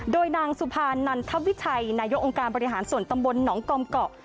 โดยนางสุภานันทวิชัยนายกองค์การบริหารส่วนตำบลหนองกอมเกาะ